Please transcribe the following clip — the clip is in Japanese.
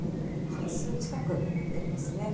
半数近くになっていますね。